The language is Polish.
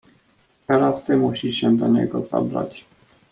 "Teraz ty musisz się do niego zabrać."